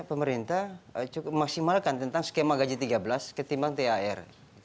pemerintah cukup memaksimalkan tentang skema gaji tiga belas ketimbang thr